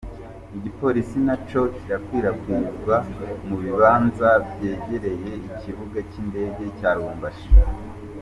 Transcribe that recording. Igipolisi na co kirakwiragizwa mu bibanza vyegereye ikibuga c'indege, ca Lubumbashi.